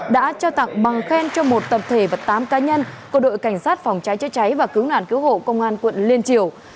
đã trao tặng bằng khen cho một tập thể và tám cá nhân của đội cảnh sát phòng cháy chữa cháy và cứu nạn cứu hộ công an quận liên triều